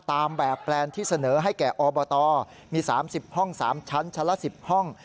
ตามแบบแปลนที่เสนอให้แก่อบตมี๓๐ห้อง๓ชั้นชั้นละ๑๐ห้อง